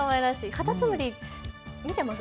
カタツムリ、見てます？